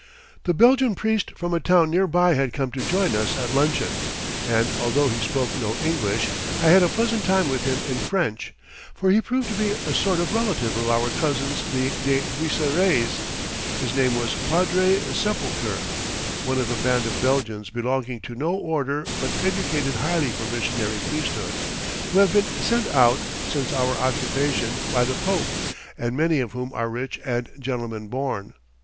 The Belgian priest from a town nearby had come to join us at luncheon, and although he spoke no English I had a pleasant time with him in French, for he proved to be a sort of relative of our cousins the de Buisserets; his name was Padre Sepulchre, one of a band of Belgians belonging to no order but educated highly for missionary priesthood, who have been sent out, since our occupation, by the Pope, and many of whom are rich and gentlemen born.